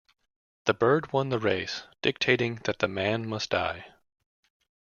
The bird won the race, dictating that man must die.